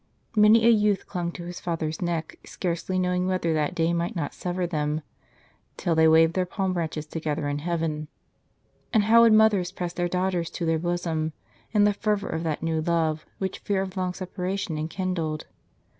Many a youth clung to his father's neck, scarcely knowing whether that day might not sever them, till they waved their palm branches together in heaven. And how would mothers press their daughters to their bosom, in the fervor of that new love which fear of long separation enkindled!